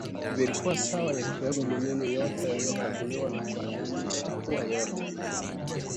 vilikuwa sawa yakiwemo meno yote yaliyokaguliwa na kuhakikisha kuwa yote